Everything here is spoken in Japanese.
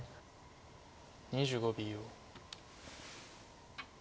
２５秒。